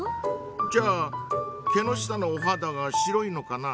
じゃあ毛の下のお肌が白いのかな？